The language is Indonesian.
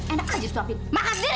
enak aja suapin makan sendiri